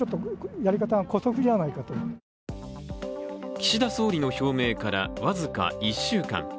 岸田総理の表明から僅か１週間。